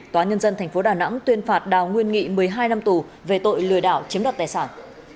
tòa nhân dân tp đà nẵng tuyên phạt đào nguyên nghị một mươi hai năm tù về tội lừa đảo chiếm đoạt tài sản